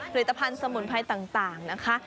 ผลิตภัณฑ์สมุนไพรต่างนะคะ